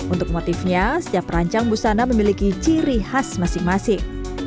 untuk motifnya setiap perancang busana memiliki ciri khas masing masing